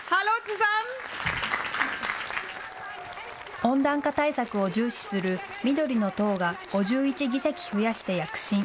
温暖化対策を重視する緑の党が５１議席増やして躍進。